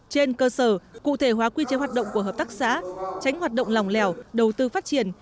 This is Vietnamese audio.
trên cơ sở cụ thể hóa quy chế hoạt động của hợp tác xã tránh hoạt động lòng lẻo đầu tư phát triển